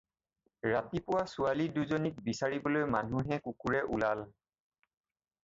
ৰাতিপুৱা ছোৱালীদুজনীক বিচাৰিবলৈ মানুহে কুকুৰে ওলাল।